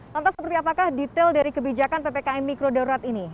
lantas seperti apakah detail dari kebijakan ppkm mikrodarurat ini